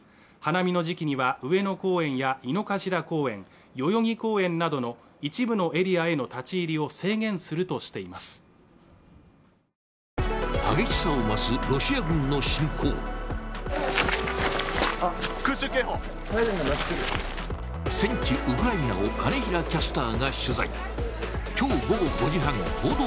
花見の時期には上野公園や井の頭公園代々木公園などの一部のエリアへの立ち入りを制限するとしています「王様のブランチ」